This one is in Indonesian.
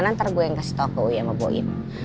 nanti gue yang kasih tau ke uya sama mbak boim